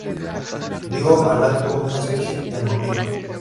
dio al acto una especial emotividad.